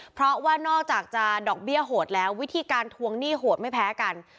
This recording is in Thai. เพราะว่านอกจากจะดอกเบี้ยโหดแล้ววิธีการทวงหนี้โหดไม่แพ้กัน